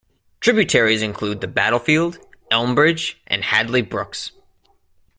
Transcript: Tributaries include the Battlefield, Elmbridge and Hadley brooks.